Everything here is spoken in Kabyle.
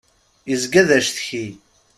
Izga d acetki.